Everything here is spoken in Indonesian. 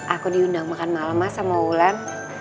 aku diundang makan malam masa sama wulan